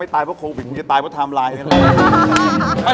ไม่ตายเพราะโควิดพี่จะตายเพราะทอมไลน์